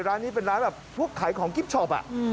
ร้านนี้เป็นร้านแบบพวกขายของกิฟต์ช็อป